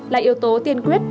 là yếu tố tiên quyết